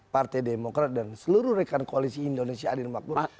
partai demokrat dan seluruh rekan koalisi indonesia adil makmur